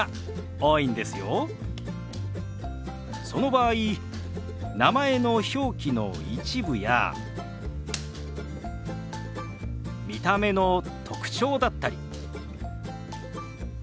その場合名前の表記の一部や見た目の特徴だったり。